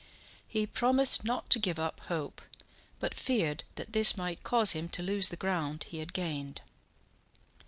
He promised not to give up hope, but feared that this might cause him to lose the ground he had gained.